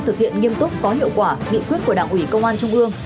thực hiện nghiêm túc có hiệu quả nghị quyết của đảng ủy công an trung ương